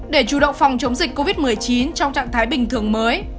để chủ động phòng chống dịch covid một mươi chín trong trạng thái bình thường mới